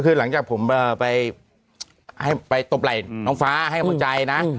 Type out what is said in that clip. ก็คือหลังจากผมไปไปตบไหล่น้องฟ้าให้เขาใจนะ